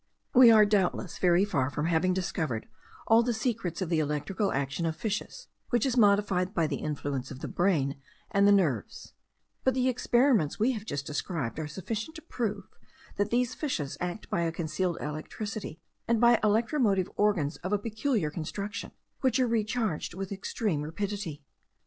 We are, doubtless, very far from having discovered all the secrets of the electrical action of fishes which is modified by the influence of the brain and the nerves; but the experiments we have just described are sufficient to prove that these fishes act by a concealed electricity, and by electromotive organs of a peculiar construction, which are recharged with extreme rapidity.